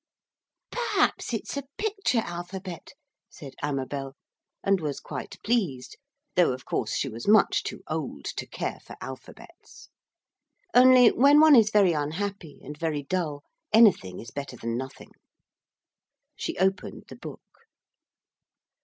'Perhaps it's a picture alphabet,' said Mabel, and was quite pleased, though of course she was much too old to care for alphabets. Only when one is very unhappy and very dull, anything is better than nothing. She opened the book.